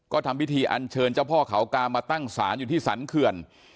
ก็ทำพิธีอันเชิญเจ้าพ่อเขากามาตั้งศาลอยู่ที่สรรเขื่อน